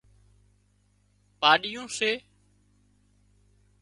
پاڏيون سي